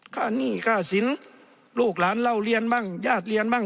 ข้านี่ข้าศิลป์ลูกหลานเล่าเรียนบ้างญาติเรียนบ้าง